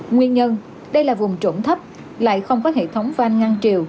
nguyên nhân đây là vùng trộm thấp lại không có hệ thống van ngăn triều